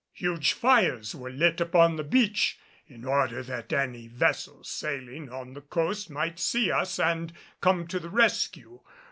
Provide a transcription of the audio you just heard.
Huge fires were lit upon the beach in order that any vessels sailing on the coast might see us and come to the rescue.